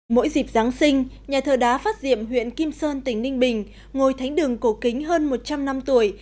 mỗi dịp giáng sinh nhà thờ đá phát diệm huyện kim sơn tỉnh ninh bình ngồi thánh đường cổ kính hơn một trăm linh năm tuổi